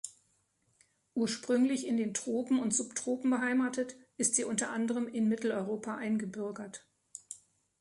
Ursprünglich in den Tropen und Subtropen beheimatet, ist sie unter anderem in Mitteleuropa eingebürgert.